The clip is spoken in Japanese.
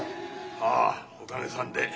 ああおかげさんで。